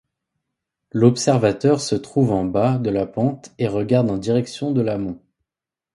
L'observateur se trouve en bas de la pente et regarde en direction de l'amont.